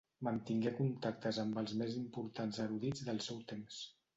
Mantingué contactes amb els més importants erudits del seu temps.